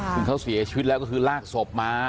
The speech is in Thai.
ซึ่งเขาเสียชีวิตแล้วก็คือลากศพมา